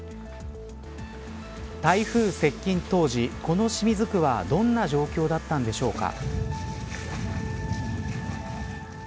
台風接近当時この清水区はどんな状況だったんでしょうか。